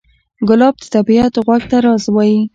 ګلاب د طبیعت غوږ ته راز وایي.